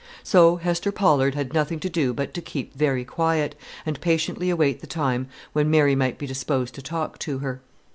So Hester Pollard had nothing to do but to keep very quiet, and patiently await the time when Mary might be disposed to talk to her.